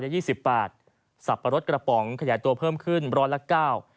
กว่าที่สับปะรสกระป๋องขยายตัวเพิ่มขึ้น๑๐๐ละก้าว